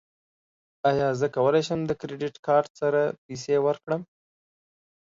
ایا زه کولی شم د کریډیټ کارت سره پیسې ورکړم؟